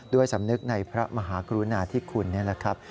สำนึกในพระมหากรุณาธิคุณนี่แหละครับ